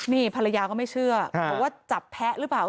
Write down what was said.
นี่ภรรยาก็ไม่เชื่อบอกว่าจับแพ้หรือเปล่า